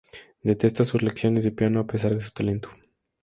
Detesta sus lecciones de piano a pesar de su talento.